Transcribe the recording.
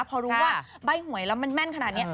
พอรู้ว่าใบ้หวยแล้วมันแม่นขนาดนี้